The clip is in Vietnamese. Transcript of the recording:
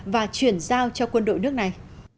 và chuyển giao cho quân đội nước này